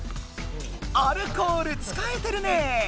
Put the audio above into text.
アルコール使えてるねえ！